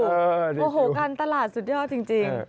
โอ้โหการตลาดสุดยอดจริง